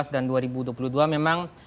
dan dua ribu dua puluh dua memang